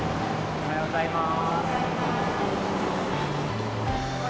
おはようございます。